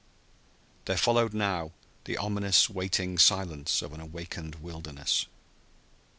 There followed now the ominous, waiting silence of an awakened wilderness.